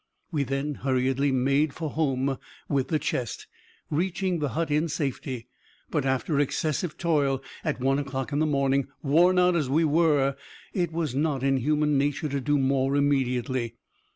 We then hurriedly made for home with the chest; reaching the hut in safety, but after excessive toil, at one o'clock in the morning. Worn out as we were, it was not in human nature to do more immediately.